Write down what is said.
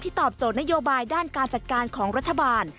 ตอบโจทย์นโยบายด้านการจัดการของรัฐบาล